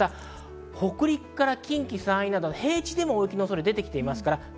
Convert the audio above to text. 北陸から近畿、山陰などは平地でも大雪の恐れが出ています。